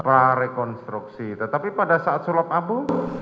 prarekonstruksi tetapi pada saat sulap abu